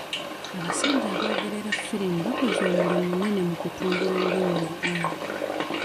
Abasajja aboogerera firimu bakoze omulimu munene mu kutumbula olulimi Oluganda.